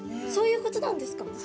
そういうことなんですか？